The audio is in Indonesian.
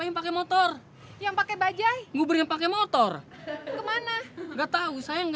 kan ce lilis yang ajak saya naik bajaj